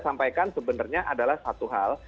sampaikan sebenarnya adalah satu hal